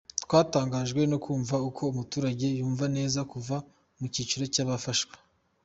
Twatangajwe no kumva uko umuturage yumva neza kuva mu cyiciro cy’abafashwa.